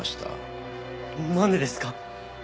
なんでですか？